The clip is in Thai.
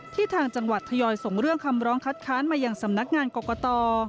ทางจังหวัดทยอยส่งเรื่องคำร้องคัดค้านมาอย่างสำนักงานกรกต